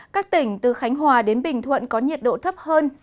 các tỉnh từ khánh hòa đến bình thuận có nhiệt độ thấp hơn